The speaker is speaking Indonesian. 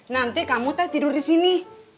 nanti kamu teh tidur di sini